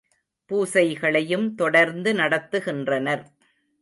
பூசைகளையும் தொடர்ந்து நடத்துகின்றனர்.